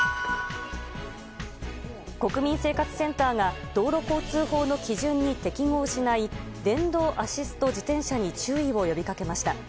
国民生活センターが道路交通法の基準に適合しない電動アシスト自転車に注意を呼びかけました。